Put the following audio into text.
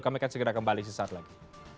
kami akan segera kembali sesaat lagi